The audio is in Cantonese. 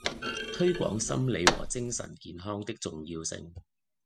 推廣心理和精神健康的重要性